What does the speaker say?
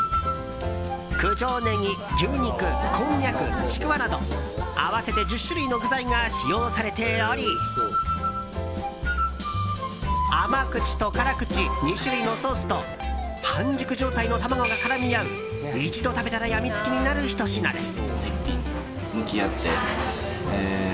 九条ネギ、牛肉、こんにゃくちくわなど合わせて１０種類の具材が使用されており甘口と辛口２種類のソースと半熟状態の卵が絡み合う一度食べたらやみつきになるひと品です。